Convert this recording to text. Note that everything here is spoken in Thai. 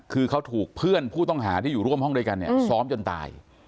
คือเขาถูกเพื่อนผู้ต้องหาที่อยู่ร่วมห้องด้วยกันเนี่ยซ้อมจนตาย